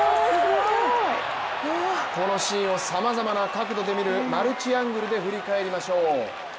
このシーンをさまざまな角度で見るマルチアングルで振り返りましょう。